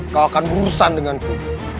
kau akan berurusan denganku